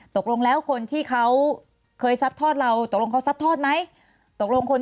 ตกลงแล้วคนที่เขาเคยซัดทอดเราตกลงเขาซัดทอดไหมตกลงคน